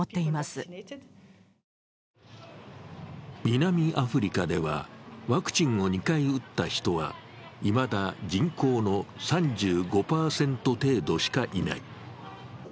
南アフリカでは、ワクチンを２回打った人はいまだ人口の３５％程度しかいない。